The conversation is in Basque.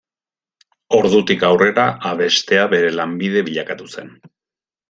Ordutik aurrera, abestea bere lanbide bilakatu zen.